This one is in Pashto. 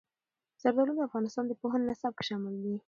زردالو د افغانستان د پوهنې نصاب کې شامل دي.